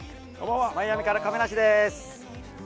マイアミから亀梨です。